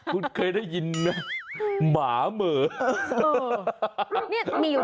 คุณเคยได้ยินมาเม่อ